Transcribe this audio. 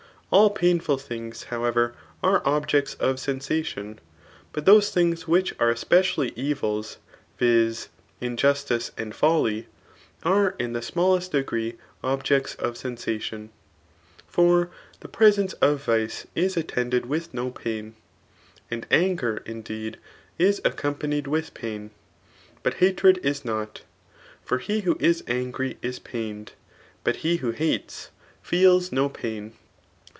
AU pamfvil thmgs» hovever, are objects of aensadon ) but those tluags "srhieh ate eqiedaUy erfla, viz. iflgusdce and folly, veki the amdlest degree objects of sensation; for the presence of vice is a tttn ded isish no pain. And anger, indeed, is accompanied wkh pun; but hatred is not ; for he who is angry is pained; bat he who hates feels no pain.